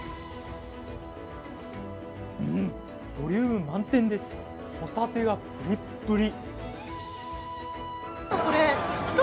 ボリューム満点です、ホタテがぷりっぷり。